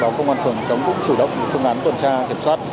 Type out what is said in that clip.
trong đó công an phường hàng chống cũng chủ động phương án tuần tra hiệp soát